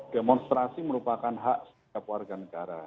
demonstrasi merupakan hak setiap warga negara